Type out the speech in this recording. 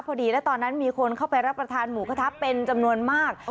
พอดีและตอนนั้นมีคนเข้าไปรับประทานหมูกระทะเป็นจำนวนมาก